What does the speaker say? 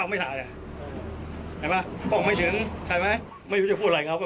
ฟังไม่ถึงใช่ไหม